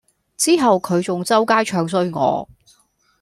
之後佢仲周街唱衰我